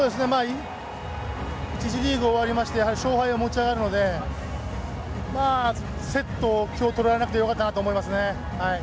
１次リーグ終わりまして勝敗が持ち上がるのでセット、今日取られなくてよかったなと思いますね。